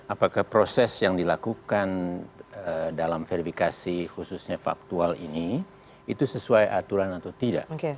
apakah proses yang dilakukan dalam verifikasi khususnya faktual ini itu sesuai aturan atau tidak